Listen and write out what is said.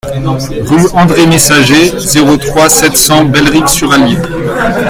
Rue Andre Messager, zéro trois, sept cents Bellerive-sur-Allier